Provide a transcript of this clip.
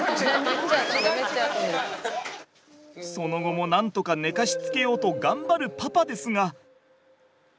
その後もなんとか寝かしつけようと頑張るパパですが。